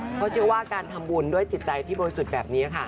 เพราะเชื่อว่าการทำบุญด้วยจิตใจที่บริสุทธิ์แบบนี้ค่ะ